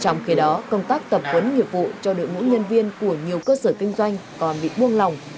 trong khi đó công tác tập huấn nghiệp vụ cho đội ngũ nhân viên của nhiều cơ sở kinh doanh còn bị buông lòng